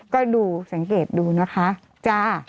ก็ดูสังเกตดูนะคะจ้า